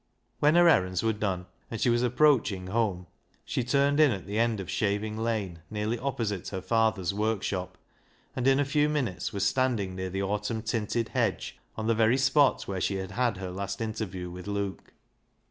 When her errands were done and she was approaching home, she turned in at the end of Shaving Lane nearly opposite her father's work shop, and in a few minutes was standing near the autumn tinted hedge, on the very spot where she had had her last interview with Luke.